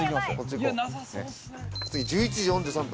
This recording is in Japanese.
次１１時４３分。